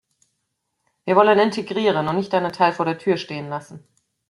Wir wollen integrieren und nicht einen Teil vor der Tür stehen lassen.